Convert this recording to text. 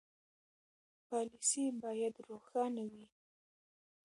پالیسي باید روښانه وي.